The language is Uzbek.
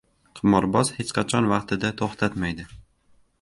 • Qimorboz hech qachon vaqtida to‘xtatmaydi.